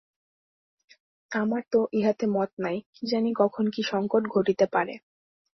আমার তো ইহাতে মত নাই–কী জানি কখন কী সংকট ঘটিতে পারে।